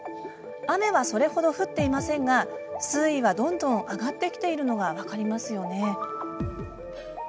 雨はそれほど降っていませんが水位はどんどん上がってきているのが分かります。